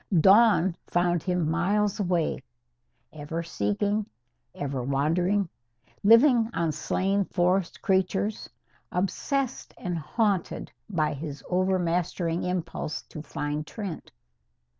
Dawn found him miles away, ever seeking, ever wandering, living on slain forest creatures, obsessed and haunted by his overmastering impulse to find Trent.